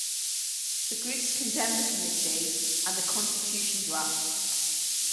The groups condemned the Committee and the constitution draft.